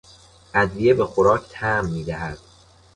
ادویه به خوراک طعم میدهد.